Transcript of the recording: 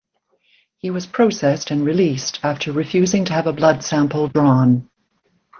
He was processed and released after refusing to have a blood sample drawn.